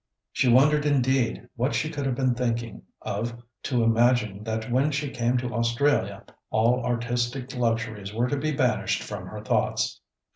She wondered, indeed, what she could have been thinking of to imagine that when she came to Australia all artistic luxuries were to be banished from her thoughts.